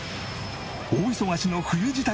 大忙しの冬支度